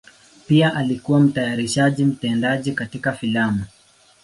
Pia alikuwa mtayarishaji mtendaji katika filamu.